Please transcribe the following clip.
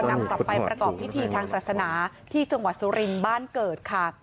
นำกลับไปประกอบพิธีทางศาสนาที่จังหวัดสุรินทร์บ้านเกิดค่ะ